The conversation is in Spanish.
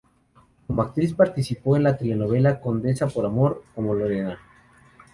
Como actriz, participó en la telenovela "Condesa por Amor" como Lorena.